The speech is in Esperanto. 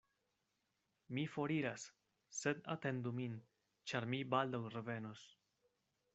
Mi foriras, sed atendu min, ĉar mi baldaŭ revenos.